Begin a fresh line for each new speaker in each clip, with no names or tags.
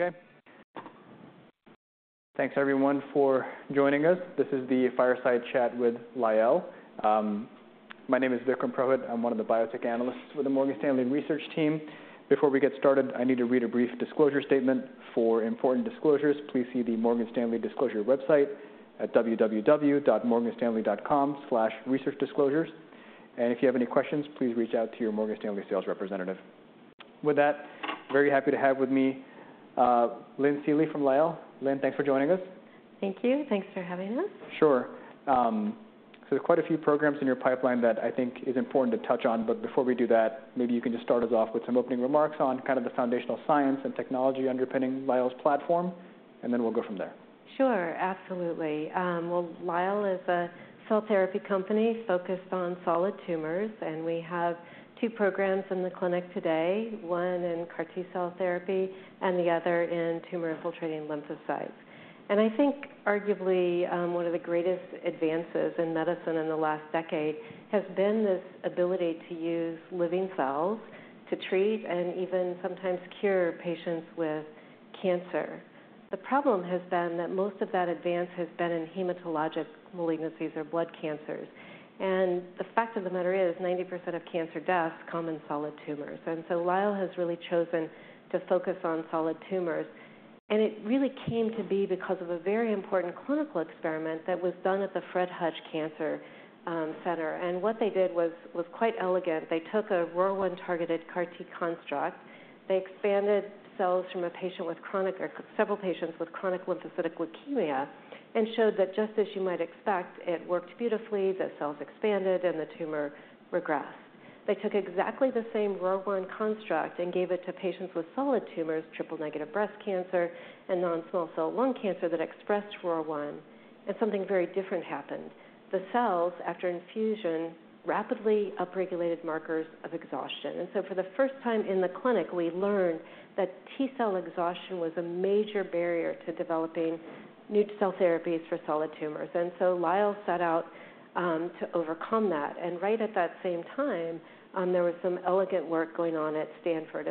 Okay. Thanks everyone for joining us. This is the Fireside Chat with Lyell. My name is Vikram Purohit. I'm one of the biotech analysts with the Morgan Stanley Research team. Before we get started, I need to read a brief disclosure statement. For important disclosures, please see the Morgan Stanley disclosure website at www.morganstanley.com/researchdisclosures. If you have any questions, please reach out to your Morgan Stanley sales representative. With that, very happy to have with me, Lynn Seely from Lyell. Lynn, thanks for joining us.
Thank you. Thanks for having us.
Sure. So there's quite a few programs in your pipeline that I think is important to touch on, but before we do that, maybe you can just start us off with some opening remarks on kind of the foundational science and technology underpinning Lyell's platform, and then we'll go from there.
Sure, absolutely. Well, Lyell is a cell therapy company focused on solid tumors, and we have two programs in the clinic today, one in CAR T-cell therapy and the other in tumor-infiltrating lymphocytes. I think arguably, one of the greatest advances in medicine in the last decade has been this ability to use living cells to treat and even sometimes cure patients with cancer. The problem has been that most of that advance has been in hematologic malignancies or blood cancers. The fact of the matter is, 90% of cancer deaths come in solid tumors, and so Lyell has really chosen to focus on solid tumors. It really came to be because of a very important clinical experiment that was done at the Fred Hutchinson Cancer Center. What they did was quite elegant. They took a ROR1-targeted CAR T construct. They expanded cells from a patient with chronic or several patients with chronic lymphocytic leukemia and showed that, just as you might expect, it worked beautifully, the cells expanded, and the tumor regressed. They took exactly the same ROR1 construct and gave it to patients with solid tumors, triple-negative breast cancer and non-small cell lung cancer that expressed ROR1, and something very different happened. The cells, after infusion, rapidly upregulated markers of exhaustion. And so for the first time in the clinic, we learned that T cell exhaustion was a major barrier to developing new cell therapies for solid tumors. And so Lyell set out, to overcome that, and right at that same time, there was some elegant work going on at Stanford.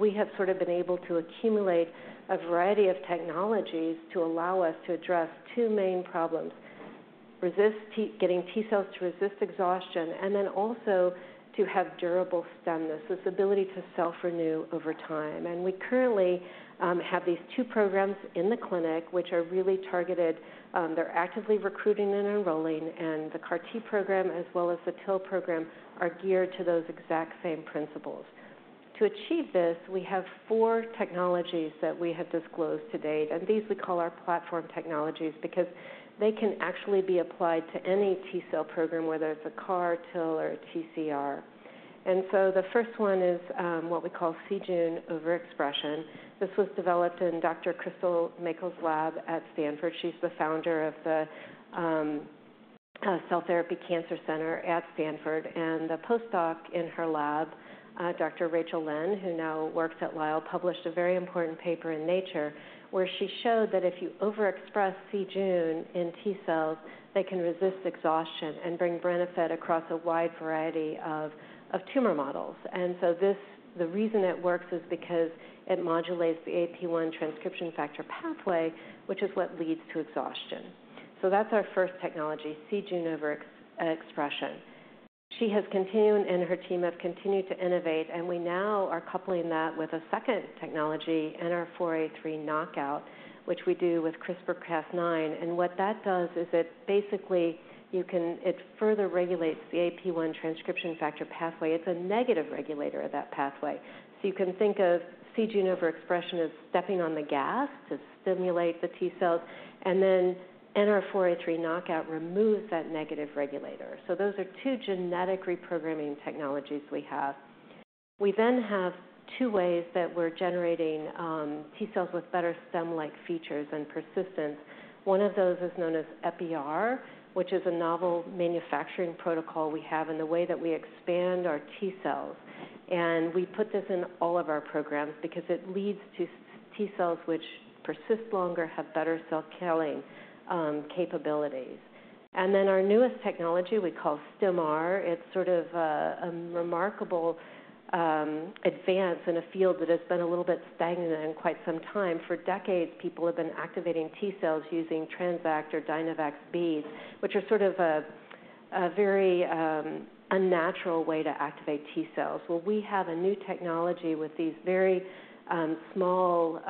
We have sort of been able to accumulate a variety of technologies to allow us to address two main problems: getting T cells to resist exhaustion and then also to have durable stemness, this ability to self-renew over time. We currently have these two programs in the clinic, which are really targeted. They're actively recruiting and enrolling, and the CAR T program, as well as the TIL program, are geared to those exact same principles. To achieve this, we have four technologies that we have disclosed to date, and these we call our platform technologies because they can actually be applied to any T cell program, whether it's a CAR, TIL or a TCR. The first one is what we call c-Jun overexpression. This was developed in Dr. Crystal Mackall's lab at Stanford. She's the founder of the Cell Therapy Cancer Center at Stanford, and a postdoc in her lab, Dr. Rachel Lynn, who now works at Lyell, published a very important paper in Nature, where she showed that if you overexpress c-Jun in T cells, they can resist exhaustion and bring benefit across a wide variety of tumor models. And so this, the reason it works is because it modulates the AP-1 transcription factor pathway, which is what leads to exhaustion. So that's our first technology, c-Jun overexpression. She has continued, and her team have continued to innovate, and we now are coupling that with a second technology, NR4A3 knockout, which we do with CRISPR-Cas9. And what that does is it basically, it further regulates the AP-1 transcription factor pathway. It's a negative regulator of that pathway. So you can think of c-Jun overexpression as stepping on the gas to stimulate the T cells, and then NR4A3 knockout removes that negative regulator. So those are two genetic reprogramming technologies we have. We then have two ways that we're generating T cells with better stem-like features and persistence. One of those is known as Epi-R, which is a novel manufacturing protocol we have in the way that we expand our T cells. And we put this in all of our programs because it leads to T cells which persist longer, have better cell killing capabilities. And then our newest technology we call Stim-R. It's sort of a remarkable advance in a field that has been a little bit stagnant in quite some time. For decades, people have been activating T cells using TransAct or Dynabeads, which are sort of a very unnatural way to activate T cells. Well, we have a new technology with these very small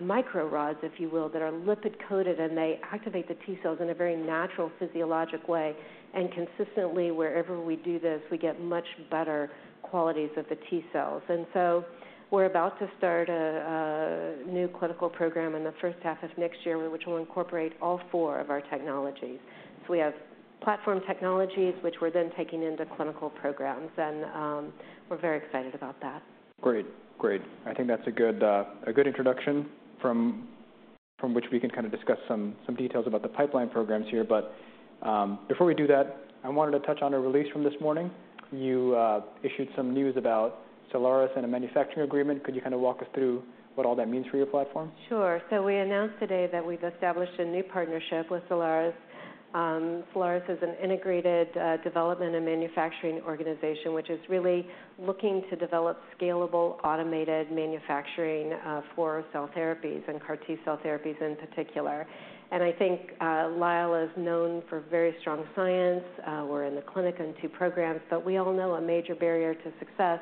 micro rods, if you will, that are lipid-coated, and they activate the T cells in a very natural, physiologic way. And consistently, wherever we do this, we get much better qualities of the T cells. And so we're about to start a new clinical program in the first half of next year, which will incorporate all four of our technologies. So we have platform technologies, which we're then taking into clinical programs, and we're very excited about that.
Great. Great. I think that's a good, a good introduction from, from which we can kind of discuss some, some details about the pipeline programs here. But, before we do that, I wanted to touch on a release from this morning. You issued some news about Cellares and a manufacturing agreement. Could you kind of walk us through what all that means for your platform?
Sure. So we announced today that we've established a new partnership with Cellares. Cellares is an integrated development and manufacturing organization, which is really looking to develop scalable, automated manufacturing for cell therapies and CAR T-cell therapies in particular. And I think Lyell is known for very strong science. We're in the clinic on two programs, but we all know a major barrier to success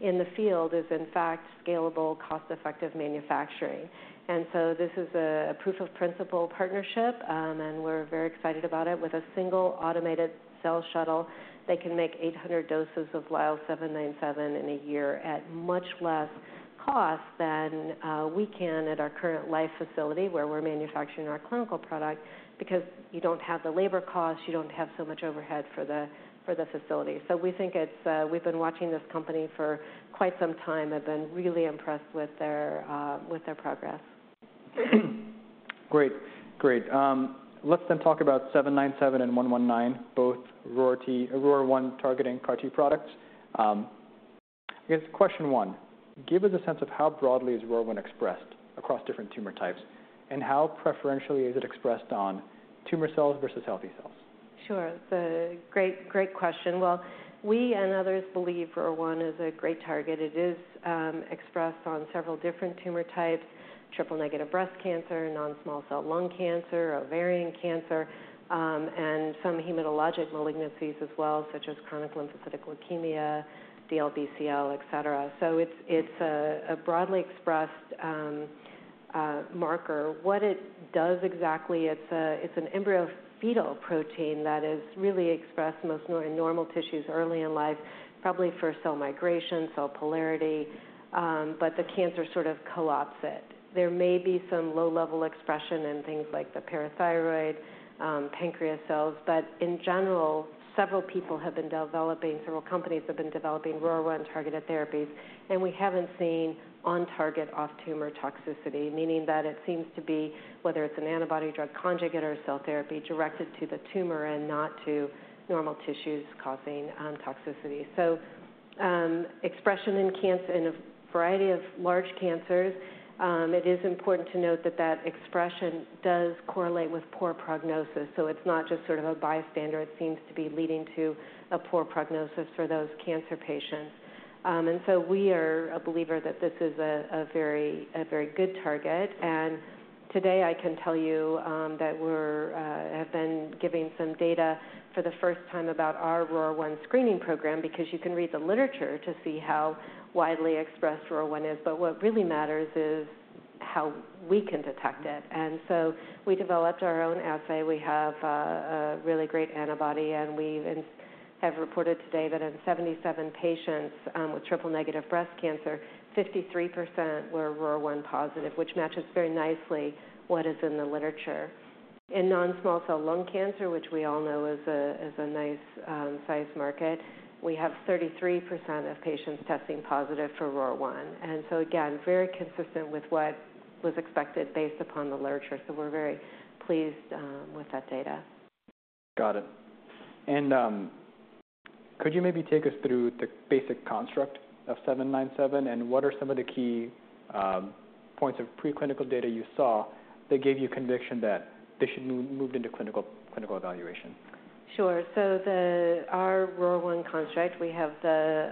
in the field is, in fact, scalable, cost-effective manufacturing. And so this is a proof of principle partnership, and we're very excited about it. With a single automated Cell Shuttle, they can make 800 doses of LYL797 in a year at much less cost than we can at our current Lyell facility, where we're manufacturing our clinical product. Because you don't have the labor cost, you don't have so much overhead for the facility. So we think it's. We've been watching this company for quite some time and been really impressed with their progress.
Great. Great. Let's then talk about 797 and 119, both ROR1 targeting CAR T products. I guess question one, give us a sense of how broadly is ROR1 expressed across different tumor types, and how preferentially is it expressed on tumor cells versus healthy cells?
Sure. It's a great, great question. Well, we and others believe ROR1 is a great target. It is expressed on several different tumor types, triple-negative breast cancer, non-small cell lung cancer, ovarian cancer, and some hematologic malignancies as well, such as chronic lymphocytic leukemia, DLBCL, et cetera. So it's a broadly expressed marker. What it does exactly, it's an embryo fetal protein that is really expressed most normally in normal tissues early in life, probably for cell migration, cell polarity, but the cancer sort of co-opts it. There may be some low-level expression in things like the parathyroid, pancreas cells, but in general, several people have been developing, several companies have been developing ROR1-targeted therapies. We haven't seen on-target, off-tumor toxicity, meaning that it seems to be, whether it's an antibody drug conjugate or a cell therapy, directed to the tumor and not to normal tissues, causing toxicity. So, expression in cancer in a variety of large cancers, it is important to note that that expression does correlate with poor prognosis, so it's not just sort of a bystander. It seems to be leading to a poor prognosis for those cancer patients. And so we are a believer that this is a, a very, a very good target. Today, I can tell you, that we're have been giving some data for the first time about our ROR1 screening program, because you can read the literature to see how widely expressed ROR1 is, but what really matters is how we can detect it. So we developed our own assay. We have a really great antibody, and we even have reported today that in 77 patients with triple-negative breast cancer, 53% were ROR1 positive, which matches very nicely what is in the literature. In non-small cell lung cancer, which we all know is a nice sized market, we have 33% of patients testing positive for ROR1, and so again, very consistent with what was expected based upon the literature, so we're very pleased with that data.
Got it. Could you maybe take us through the basic construct of LYL797, and what are some of the key points of preclinical data you saw that gave you conviction that they should move into clinical evaluation?
Sure. So our ROR1 construct, we have the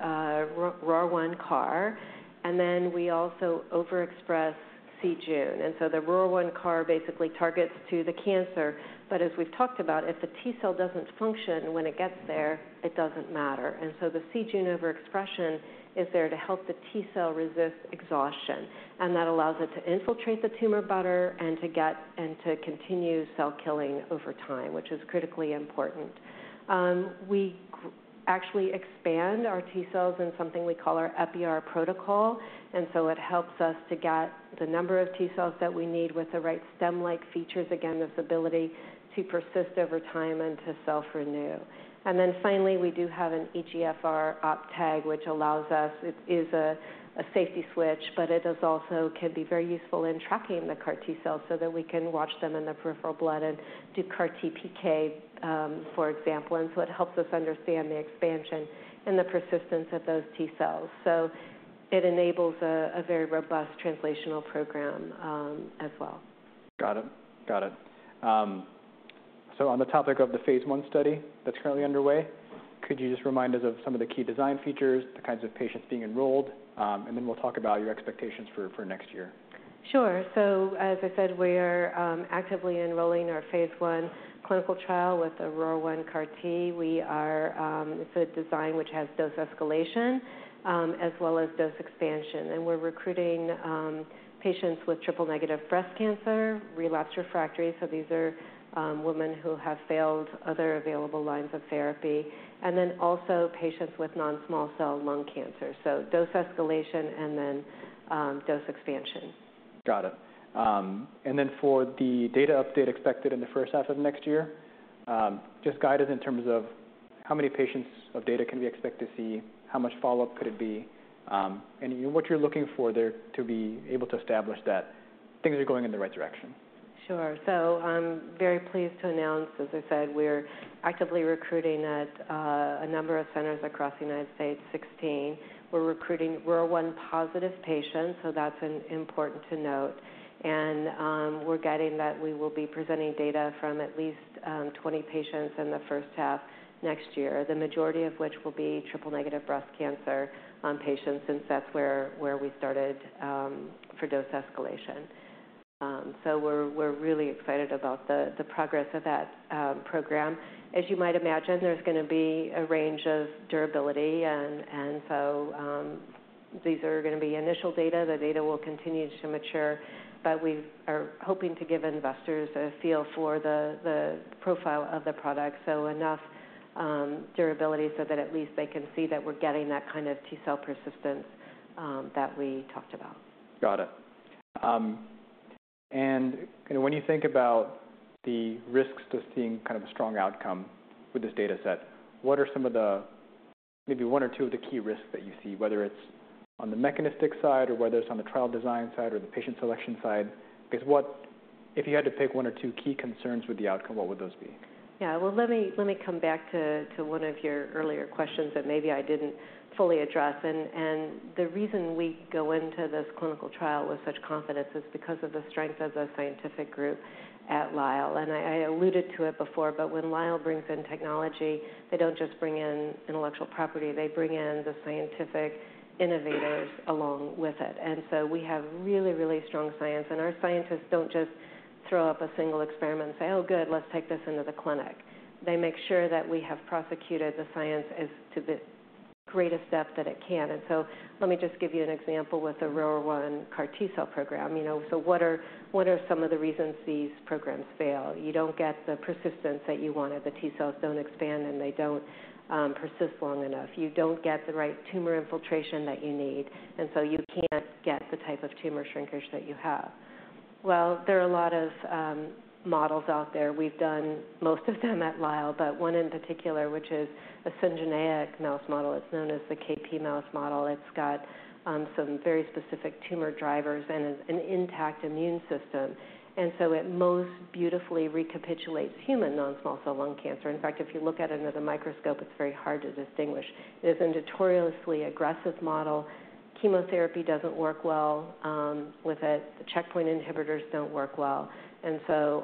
ROR1 CAR, and then we also overexpress c-Jun. And so the ROR1 CAR basically targets to the cancer, but as we've talked about, if the T cell doesn't function when it gets there, it doesn't matter. And so the c-Jun overexpression is there to help the T cell resist exhaustion, and that allows it to infiltrate the tumor better and to continue cell killing over time, which is critically important. We actually expand our T cells in something we call our Epi-R protocol, and so it helps us to get the number of T cells that we need with the right stem-like features, again, this ability to persist over time and to self-renew. And then finally, we do have an EGFR tag, which allows us. It is a safety switch, but it is also can be very useful in tracking the CAR T-cells so that we can watch them in the peripheral blood and do CAR T PK, for example, and so it helps us understand the expansion and the persistence of those T cells. So it enables a very robust translational program, as well.
Got it. Got it. So on the topic of the phase I study that's currently underway, could you just remind us of some of the key design features, the kinds of patients being enrolled? And then we'll talk about your expectations for next year.
Sure. So as I said, we're actively enrolling our phase 1 clinical trial with a ROR1 CAR T. We are, It's a design which has dose escalation as well as dose expansion, and we're recruiting patients with triple-negative breast cancer, relapsed refractory, so these are women who have failed other available lines of therapy, and then also patients with non-small cell lung cancer, so dose escalation and then dose expansion.
Got it. And then for the data update expected in the first half of next year, just guide us in terms of how many patients of data can we expect to see, how much follow-up could it be, and what you're looking for there to be able to establish that things are going in the right direction?
Sure. So I'm very pleased to announce, as I said, we're actively recruiting at a number of centers across the United States, 16. We're recruiting ROR1-positive patients, so that's an important to note, and we're guiding that we will be presenting data from at least 20 patients in the first half next year, the majority of which will be triple-negative breast cancer patients, since that's where we started for dose escalation. So we're really excited about the progress of that program. As you might imagine, there's gonna be a range of durability, so these are gonna be initial data. The data will continue to mature, but we are hoping to give investors a feel for the profile of the product, so enough durability so that at least they can see that we're getting that kind of T cell persistence that we talked about.
Got it. And when you think about the risks to seeing kind of a strong outcome with this data set, what are some of the... maybe one or two of the key risks that you see, whether it's on the mechanistic side or whether it's on the trial design side or the patient selection side? Because what if you had to pick one or two key concerns with the outcome, what would those be?
Yeah. Well, let me, let me come back to, to one of your earlier questions that maybe I didn't fully address. And, and the reason we go into this clinical trial with such confidence is because of the strength of the scientific group at Lyell. And I, I alluded to it before, but when Lyell brings in technology, they don't just bring in intellectual property, they bring in the scientific innovators along with it. And so we have really, really strong science, and our scientists don't just throw up a single experiment and say, "Oh, good, let's take this into the clinic." They make sure that we have prosecuted the science as to the greatest depth that it can. And so let me just give you an example with the ROR1 CAR T-cell program. You know, so what are, what are some of the reasons these programs fail? You don't get the persistence that you wanted. The T cells don't expand, and they don't persist long enough. You don't get the right tumor infiltration that you need, and so you can't get the type of tumor shrinkage that you have. Well, there are a lot of models out there. We've done most of them at Lyell, but one in particular, which is a syngeneic mouse model, it's known as the KP mouse model. It's got some very specific tumor drivers and an intact immune system, and so it most beautifully recapitulates human non-small cell lung cancer. In fact, if you look at it under the microscope, it's very hard to distinguish. It is a notoriously aggressive model. Chemotherapy doesn't work well with it. The checkpoint inhibitors don't work well.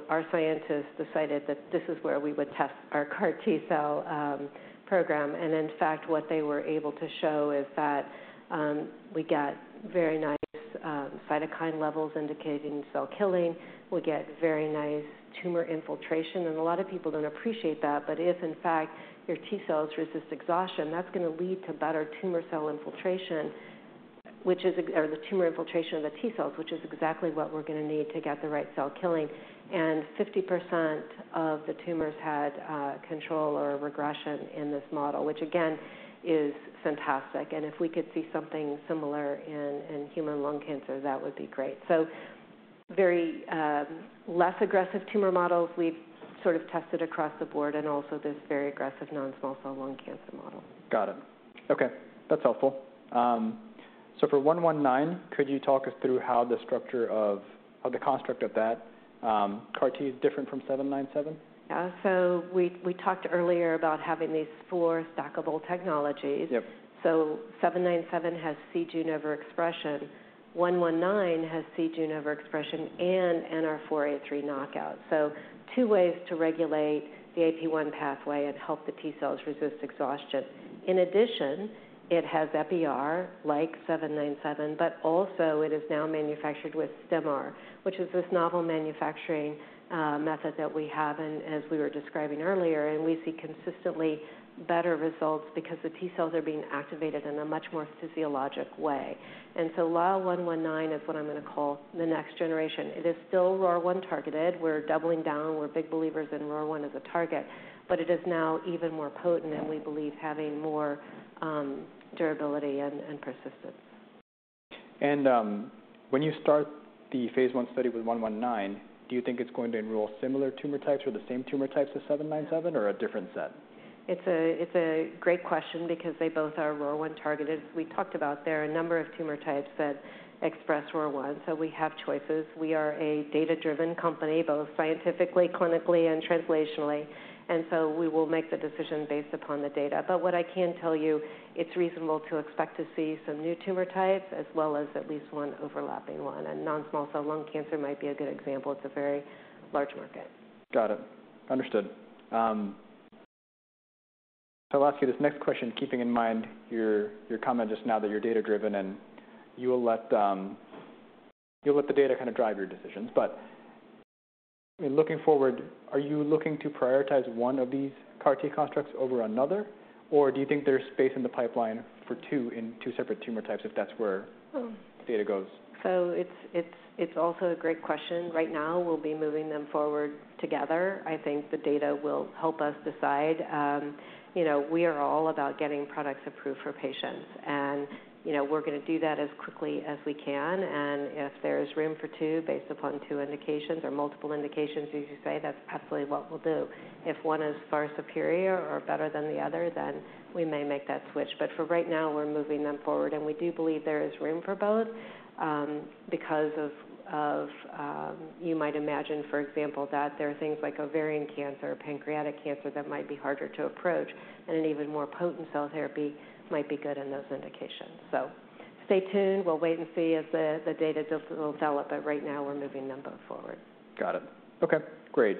Our scientists decided that this is where we would test our CAR T-cell program. In fact, what they were able to show is that we get very nice cytokine levels indicating cell killing. We get very nice tumor infiltration, and a lot of people don't appreciate that. But if in fact, your T cells resist exhaustion, that's gonna lead to better tumor cell infiltration, which is, or the tumor infiltration of the T cells, which is exactly what we're gonna need to get the right cell killing. And 50% of the tumors had control or regression in this model, which, again, is fantastic. And if we could see something similar in human lung cancer, that would be great. Very less aggressive tumor models we've sort of tested across the board and also this very aggressive non-small cell lung cancer model.
Got it. Okay, that's helpful. So for 119, could you talk us through how the structure of or the construct of that, CAR T is different from 797?
Yeah, so we talked earlier about having these four stackable technologies.
Yep.
So 797 has c-Jun overexpression. 119 has c-Jun overexpression and NR4A3 knockout, so two ways to regulate the AP-1 pathway and help the T cells resist exhaustion. In addition, it has Epi-R like 797, but also it is now manufactured with Stim-R, which is this novel manufacturing method that we have and as we were describing earlier, and we see consistently better results because the T cells are being activated in a much more physiologic way. And so Lyell 119 is what I'm gonna call the next generation. It is still ROR1 targeted. We're doubling down. We're big believers in ROR1 as a target, but it is now even more potent and we believe having more durability and persistence.
When you start the phase 1 study with 119, do you think it's going to enroll similar tumor types or the same tumor types as 797 or a different set?
It's a, it's a great question because they both are ROR1 targeted. We talked about there are a number of tumor types that express ROR1, so we have choices. We are a data-driven company, both scientifically, clinically, and translationally, and so we will make the decision based upon the data. But what I can tell you, it's reasonable to expect to see some new tumor types as well as at least one overlapping one, and non-small cell lung cancer might be a good example. It's a very large market.
Got it. Understood. So I'll ask you this next question, keeping in mind your, your comment just now that you're data-driven and you will let, you'll let the data kind of drive your decisions. But in looking forward, are you looking to prioritize one of these CAR T constructs over another, or do you think there's space in the pipeline for two in two separate tumor types, if that's where-
Oh.
-data goes?
So it's also a great question. Right now, we'll be moving them forward together. I think the data will help us decide. You know, we are all about getting products approved for patients, and you know, we're gonna do that as quickly as we can. If there's room for two, based upon two indications or multiple indications, as you say, that's possibly what we'll do. If one is far superior or better than the other, then we may make that switch. For right now, we're moving them forward, and we do believe there is room for both, because of, you might imagine, for example, that there are things like ovarian cancer, pancreatic cancer, that might be harder to approach, and an even more potent cell therapy might be good in those indications. So stay tuned. We'll wait and see as the data develop, but right now we're moving them both forward.
Got it. Okay, great.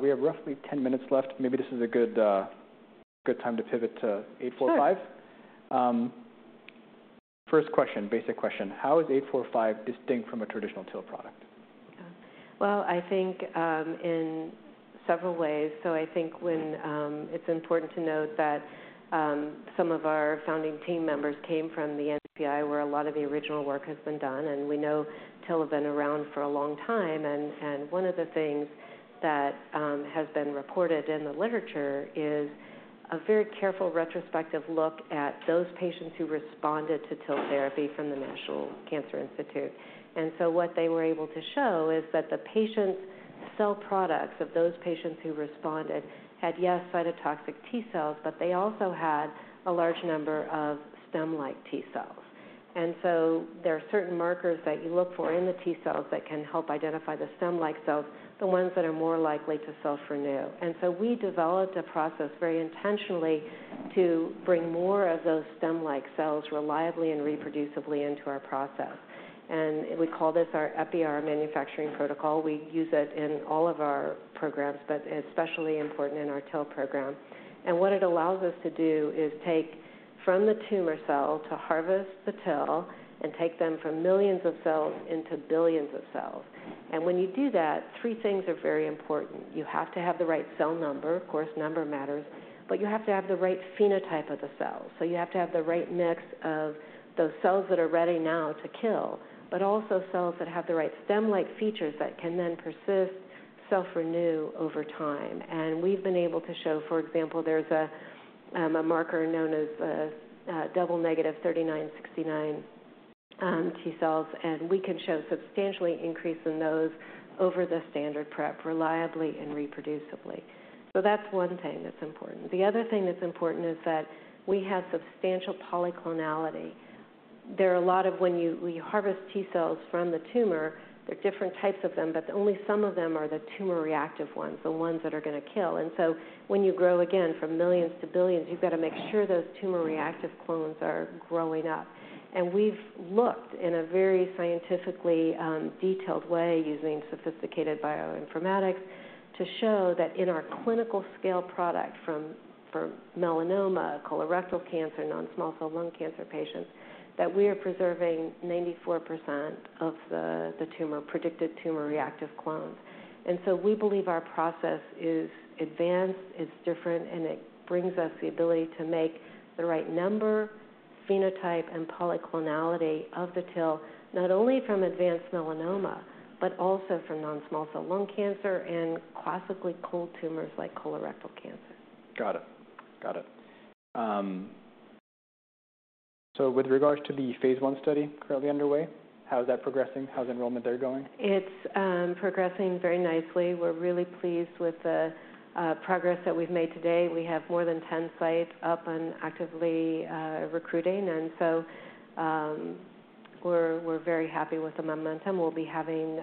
We have roughly 10 minutes left. Maybe this is a good time to pivot to 845.
Sure.
First question, basic question: How is 845 distinct from a traditional TIL product?
Well, I think in several ways. So I think when it's important to note that some of our founding team members came from the NCI, where a lot of the original work has been done, and we know TIL have been around for a long time. And one of the things that has been reported in the literature is a very careful retrospective look at those patients who responded to TIL therapy from the National Cancer Institute. And so what they were able to show is that the patients' cell products, of those patients who responded, had, yes, cytotoxic T cells, but they also had a large number of stem-like T cells. And so there are certain markers that you look for in the T cells that can help identify the stem-like cells, the ones that are more likely to self-renew. And so we developed a process very intentionally to bring more of those stem-like cells reliably and reproducibly into our process, and we call this our Epi-R manufacturing protocol. We use it in all of our programs, but it's especially important in our TIL program. And what it allows us to do is take from the tumor cell, to harvest the TIL, and take them from millions of cells into billions of cells. And when you do that, three things are very important. You have to have the right cell number, of course, number matters, but you have to have the right phenotype of the cells. So you have to have the right mix of those cells that are ready now to kill, but also cells that have the right stem-like features that can then persist, self-renew over time. We've been able to show, for example, there's a marker known as double -39, -69 T cells, and we can show substantially increase in those over the standard prep reliably and reproducibly. So that's one thing that's important. The other thing that's important is that we have substantial polyclonal. There are a lot of when you harvest T cells from the tumor, there are different types of them, but only some of them are the tumor-reactive ones, the ones that are going to kill. And so when you grow again from millions to billions, you've got to make sure those tumor-reactive clones are growing up. We've looked in a very scientifically detailed way, using sophisticated bioinformatics, to show that in our clinical scale product from melanoma, colorectal cancer, non-small cell lung cancer patients, that we are preserving 94% of the tumor, predicted tumor reactive clones. So we believe our process is advanced, it's different, and it brings us the ability to make the right number, phenotype, and polyclonal of the TIL, not only from advanced melanoma, but also from non-small cell lung cancer and classically cold tumors like colorectal cancer.
Got it. Got it. So with regards to the phase 1 study currently underway, how is that progressing? How's enrollment there going?
It's progressing very nicely. We're really pleased with the progress that we've made to date. We have more than 10 sites up and actively recruiting, and so we're very happy with the momentum. We'll be having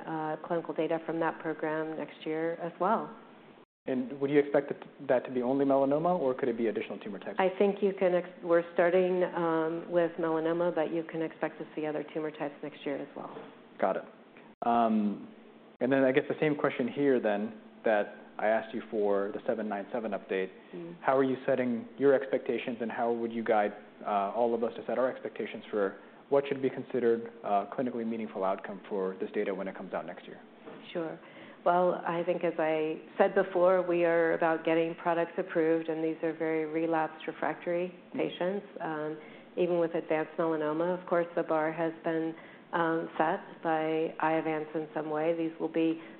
clinical data from that program next year as well.
Would you expect that to be only melanoma, or could it be additional tumor types?
I think you can. We're starting with melanoma, but you can expect to see other tumor types next year as well.
Got it. And then I guess the same question here then, that I asked you for the 797 update. How are you setting your expectations, and how would you guide all of us to set our expectations for what should be considered a clinically meaningful outcome for this data when it comes out next year?
Sure. Well, I think, as I said before, we are about getting products approved, and these are very relapsed refractory patients. Even with advanced melanoma, of course, the bar has been set by Iovance in some way. These will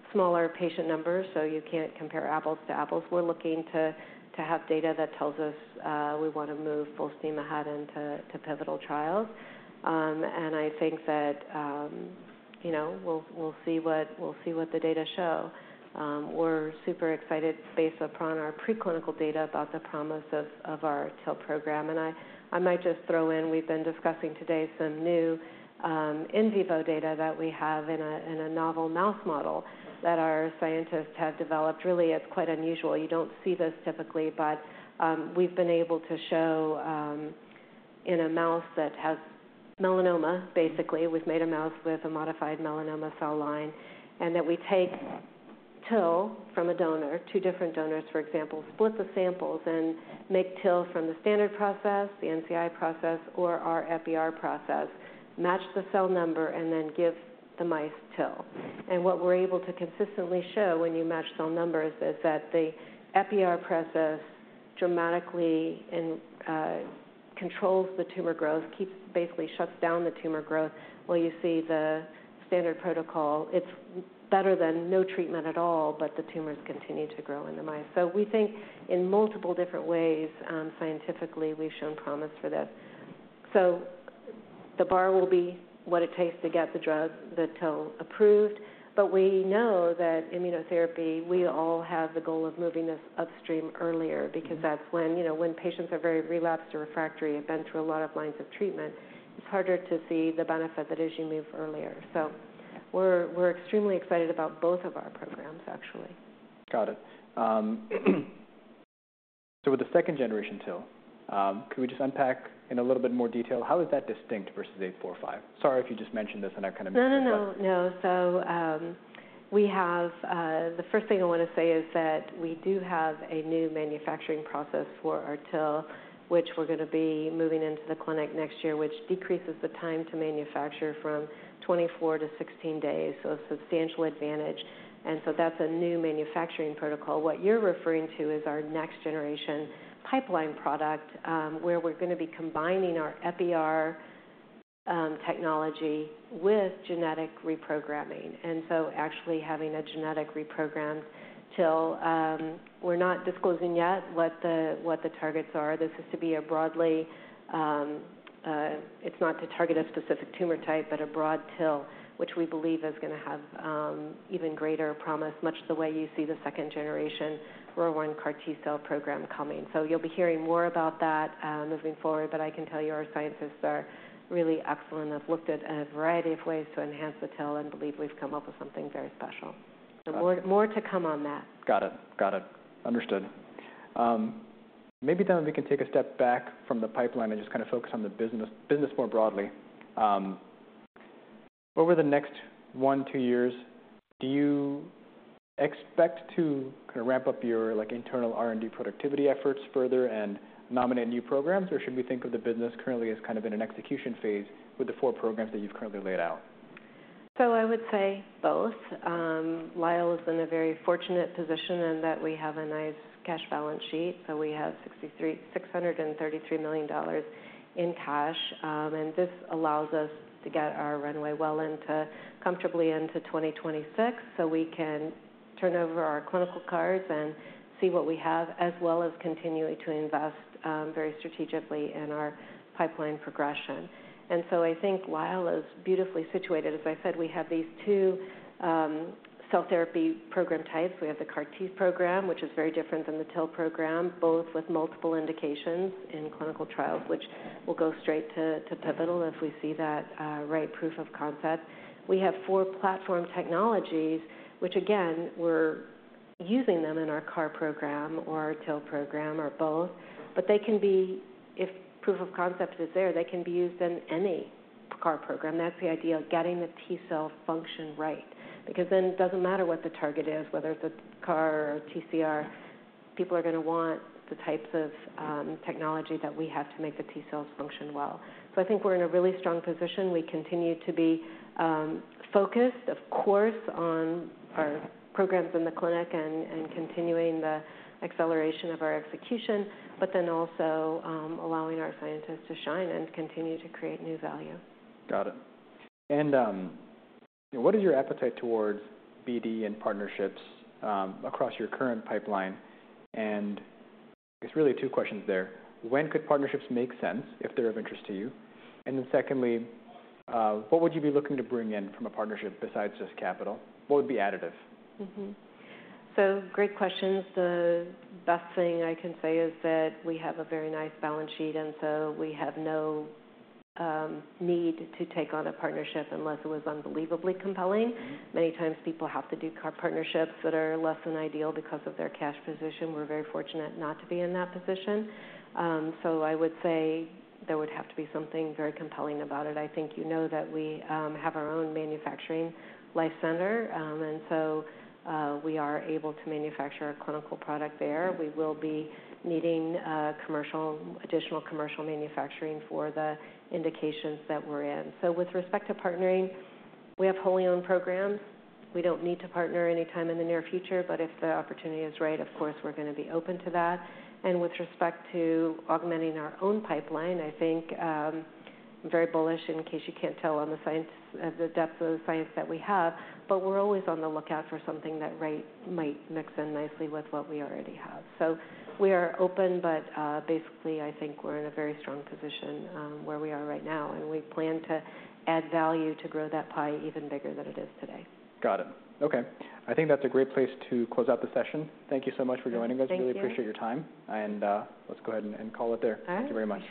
be smaller patient numbers, so you can't compare apples to apples. We're looking to have data that tells us we want to move both programs ahead into pivotal trials. And I think that, you know, we'll see what the data show. We're super excited based upon our preclinical data about the promise of our TIL program. And I might just throw in, we've been discussing today some new in vivo data that we have in a novel mouse model that our scientists have developed. Really, it's quite unusual. You don't see this typically, but we've been able to show in a mouse that has melanoma. Basically, we've made a mouse with a modified melanoma cell line and that we take TIL from a donor, two different donors, for example, split the samples and make TIL from the standard process, the NCI process or our Epi-R process, match the cell number and then give the mice TIL. And what we're able to consistently show when you match cell numbers is that the Epi-R process dramatically and controls the tumor growth, keeps basically shuts down the tumor growth, while you see the standard protocol, it's better than no treatment at all, but the tumors continue to grow in the mice. So we think in multiple different ways, scientifically, we've shown promise for this. So the bar will be what it takes to get the drug, the TIL, approved. But we know that immunotherapy, we all have the goal of moving this upstream earlier- because that's when, you know, when patients are very relapsed or refractory, have been through a lot of lines of treatment, It's harder to see the benefit, that as you move earlier. So we're, we're extremely excited about both of our programs, actually.
Got it. So with the second-generation TIL, can we just unpack in a little bit more detail, how is that distinct versus 845? Sorry if you just mentioned this, and I kind of-
No, no, no. So, we have the first thing I want to say is that we do have a new manufacturing process for our TIL, which we're going to be moving into the clinic next year, which decreases the time to manufacture from 24 to 16 days. So a substantial advantage, and so that's a new manufacturing protocol. What you're referring to is our next generation pipeline product, where we're going to be combining our Epi-R technology with genetic reprogramming, and so actually having a genetic reprogrammed TIL, we're not disclosing yet what the targets are. This is to be a broadly, it's not to target a specific tumor type, but a broad TIL, which we believe is going to have even greater promise, much the way you see the second-generation ROR1 CAR T-cell program coming. So you'll be hearing more about that, moving forward, but I can tell you our scientists are really excellent. I've looked at a variety of ways to enhance the TIL and believe we've come up with something very special.
Got it.
So, more to come on that.
Got it. Got it. Understood. Maybe then we can take a step back from the pipeline and just kind of focus on the business, business more broadly. Over the next 1-2 years, do you expect to kind of ramp up your, like, internal R&D productivity efforts further and nominate new programs? Or should we think of the business currently as kind of in an execution phase with the 4 programs that you've currently laid out?
So I would say both. Lyell is in a very fortunate position in that we have a nice cash balance sheet, so we have $633 million in cash. And this allows us to get our runway well into comfortably into 2026, so we can turn over our clinical cards and see what we have, as well as continuing to invest very strategically in our pipeline progression. And so I think Lyell is beautifully situated. As I said, we have these two cell therapy program types. We have the CAR T program, which is very different than the TIL program, both with multiple indications in clinical trials, which will go straight to pivotal if we see that right proof of concept. We have four platform technologies, which, again, we're using them in our CAR program or our TIL program or both, but they can be. If proof of concept is there, they can be used in any CAR program. That's the idea of getting the T-cell function right, because then it doesn't matter what the target is, whether it's a CAR or TCR, people are going to want the types of technology that we have to make the T-cells function well. So I think we're in a really strong position. We continue to be focused, of course, on our programs in the clinic and continuing the acceleration of our execution, but then also allowing our scientists to shine and continue to create new value.
Got it. And, what is your appetite towards BD and partnerships, across your current pipeline? And it's really two questions there. When could partnerships make sense if they're of interest to you? And then secondly, what would you be looking to bring in from a partnership besides just capital? What would be additive?
So great questions. The best thing I can say is that we have a very nice balance sheet, and so we have no need to take on a partnership unless it was unbelievably compelling. Many times people have to do CAR partnerships that are less than ideal because of their cash position. We're very fortunate not to be in that position. So I would say there would have to be something very compelling about it. I think you know that we have our own manufacturing facility, and so we are able to manufacture our clinical product there. We will be needing commercial, additional commercial manufacturing for the indications that we're in. So with respect to partnering, we have wholly owned programs. We don't need to partner anytime in the near future, but if the opportunity is right, of course, we're going to be open to that. With respect to augmenting our own pipeline, I think very bullish, in case you can't tell on the science, the depth of the science that we have, but we're always on the lookout for something that, right, might mix in nicely with what we already have. So we are open, but basically, I think we're in a very strong position where we are right now, and we plan to add value to grow that pie even bigger than it is today.
Got it. Okay, I think that's a great place to close out the session. Thank you so much for joining us.
Thank you.
We really appreciate your time, and let's go ahead and call it there.
All right.
Thank you very much.